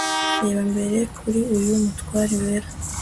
Reba mbere kuri uyu mutware wera